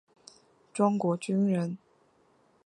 庄国钧人。